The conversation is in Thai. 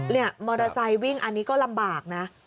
มอเตอร์ไซค์วิ่งอันนี้ก็ลำบากนะ